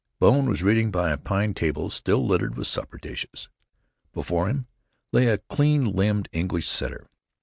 Bone was reading by a pine table still littered with supper dishes. Before him lay a clean limbed English setter.